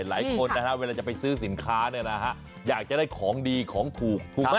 หลายคนนะฮะเวลาจะไปซื้อสินค้าเนี่ยนะฮะอยากจะได้ของดีของถูกถูกไหม